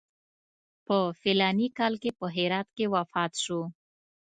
په فلاني کال کې په هرات کې وفات شو.